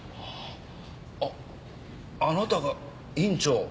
ああなたが院長。